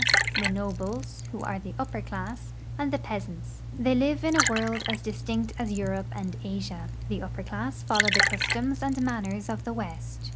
s — the nobles, who are the upper class — and the peasants. They live in a world as distinct as Europe and Asia. 'I'he ui)per class follow the customs 14 RUSSIA IX EUROPE and manners of the west.